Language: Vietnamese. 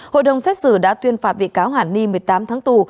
hội đồng xét xử đã tuyên phạt bị cáo hàn ni một mươi tám tháng tù